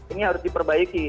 ini harus diperbaiki